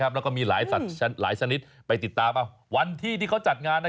แล้วก็มีหลายชนิดไปติดตามวันที่ที่เขาจัดงาน